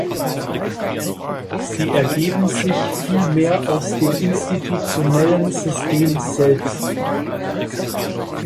Sie ergeben sich vielmehr aus dem institutionellen System selbst.